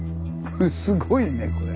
すごいねこれ。